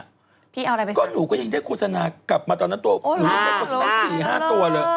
พี่เอาอะไรไปสร้างก็หนูก็ยังได้โฆษณากลับมาตอนนั้นตัวโอ้ล่ะรู้สึกมา๔๕ตัวเลย